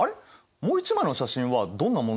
もう一枚の写真はどんなものだったっけ？